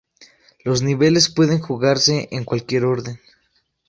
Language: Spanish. Los niveles pueden jugarse en cualquier orden.